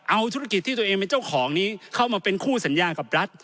เอาธุรกิจที่ตัวเองเป็นเจ้าของนี้เข้ามาเป็นคู่สัญญากับรัฐ